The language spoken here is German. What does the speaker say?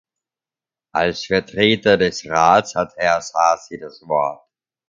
Als Vertreter des Rats hat Herr Sasi das Wort.